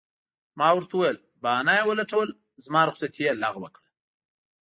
ما ورته وویل: بهانه یې ولټول، زما رخصتي یې لغوه کړه.